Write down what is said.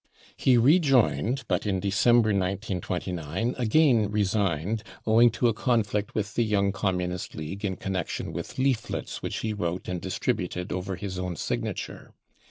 He rejoined, but in December 1929 again resigned, owing to a conflict with the Young Communist League in con nection with leaflets which he wrote and distributed over his own signature.